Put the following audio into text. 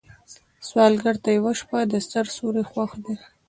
سوالګر ته یوه شپه د سر سیوری خوښ دی